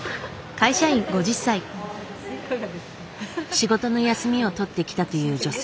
仕事の休みを取って来たという女性。